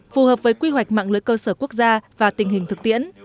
phù hợp với quy hoạch mạng lưới cơ sở quốc gia và tình hình thực tiễn